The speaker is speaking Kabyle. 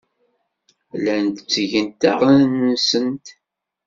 Llant ttgent aɣan-nsent.